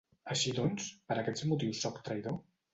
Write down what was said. Així doncs, per aquests motius sóc traïdor?